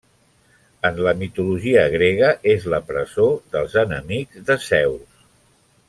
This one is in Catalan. En la mitologia grega és la presó dels enemics de Zeus.